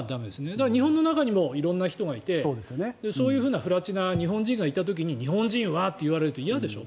だから日本の中にも色んな人がいてそういう不埒な日本人がいた時に日本人はと言われると嫌でしょ。